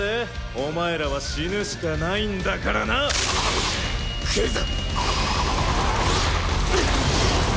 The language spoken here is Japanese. お前らは死ぬしかないんだからな！来るぞ！